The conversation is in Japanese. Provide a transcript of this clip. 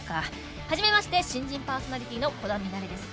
はじめまして新人パーソナリティーの鼓田ミナレです。